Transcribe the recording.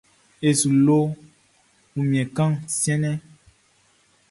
E su lo wunmiɛn kan siɛnʼn.